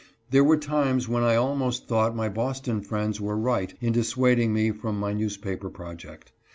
There were times when I almost thought my Boston friends were right in dis suading me from my newspaper project.